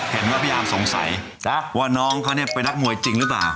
เห็นว่าน๊อยพี่อามสงสัยว่าน้องเขานี่ไปดักมวยจริงรึเปล่า